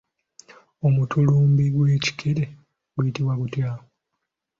Omutulumbi gw'ekikere guyitibwa gutya?